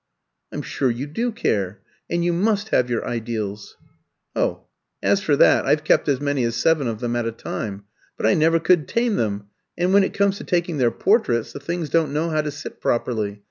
"I'm sure you do care; and you must have your ideals." "Oh, as for that, I've kept as many as seven of them at a time. But I never could tame them, and when it comes to taking their portraits the things don't know how to sit properly.